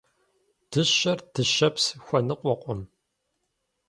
Дыщэр дыщэпс хуэныкъуэкъым.